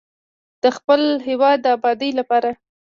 د خپل هیواد د ابادۍ لپاره.